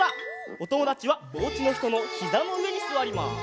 おともだちはおうちのひとのひざのうえにすわります。